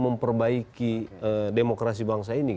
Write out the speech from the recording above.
memperbaiki demokrasi bangsa ini